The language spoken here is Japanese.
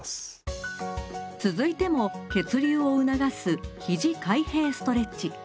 続いても血流を促す「ひじ開閉ストレッチ」。